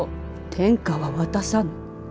天下は渡さぬ。